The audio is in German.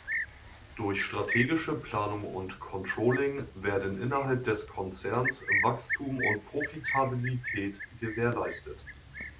Durch strategische Planung und Controlling werden innerhalb des Konzerns Wachstum und Profitabilität gewährleistet.